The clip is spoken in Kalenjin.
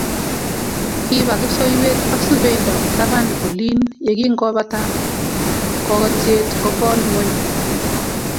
Kiba kipsoiywet ak subendo taban olin ye kingopata kokotiet kokol ngweny